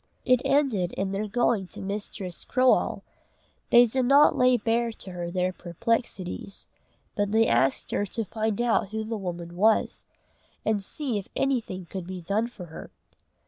It ended in their going to Mistress Croale. They did not lay bare to her their perplexities, but they asked her to find out who the woman was, and see if anything could be done for her.